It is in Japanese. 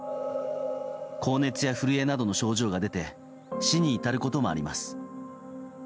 高熱や震えなどの症状が出て死に至ることもあります。